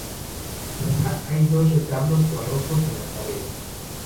Además hay dos retablos barrocos en las paredes.